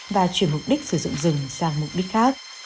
và chuyển mục đích sử dụng rừng sang mục đích khác